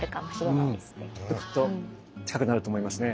きっときっと近くなると思いますね。